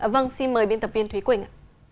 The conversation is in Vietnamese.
vâng xin mời biên tập viên thúy quỳnh